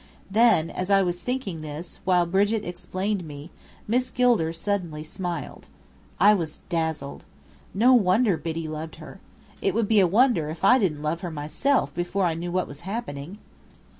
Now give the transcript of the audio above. Then, as I was thinking this, while Brigit explained me, Miss Gilder suddenly smiled. I was dazzled. No wonder Biddy loved her. It would be a wonder if I didn't love her myself before I knew what was happening.